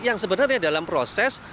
yang sebenarnya dalam proses